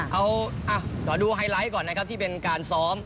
เอาขอดูไฮไลท์ก่อนนะครับที่เป็นการซ้อม